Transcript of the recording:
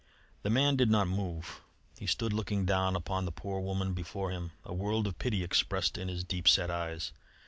The man did not move. He stood looking down upon the poor woman before him, a world of pity expressed in his deep set eyes.